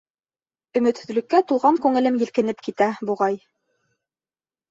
— Өмөтһөҙлөккә тулған күңелем елкенеп китте, буғай.